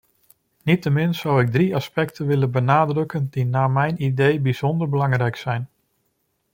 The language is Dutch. Niettemin zou ik drie aspecten willen benadrukken die naar mijn idee bijzonder belangrijk zijn.